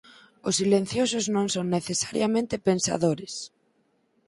Os silenciosos non son necesariamente pensadores.